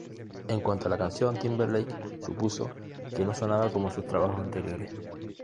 En cuanto a la canción, Timberlake supuso que no sonaba como sus trabajos anteriores.